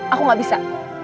aku tidak bisa